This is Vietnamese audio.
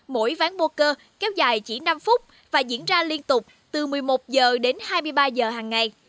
mỗi ván mô cơ kéo dài chỉ năm phút và diễn ra liên tục từ một mươi một h đến hai mươi ba h hàng ngày